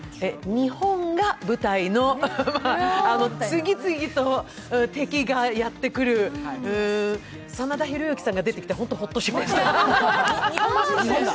日本が舞台の、次々と敵がやってくる、真田広之さんが出てきてホッとしました。